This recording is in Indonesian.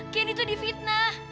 candy tuh di fitnah